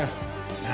何？